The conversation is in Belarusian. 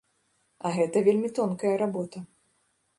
А гэта вельмі тонкая работа.